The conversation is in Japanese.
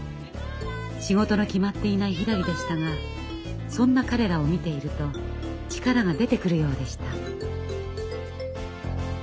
仕事の決まっていないひらりでしたがそんな彼らを見ていると力が出てくるようでした。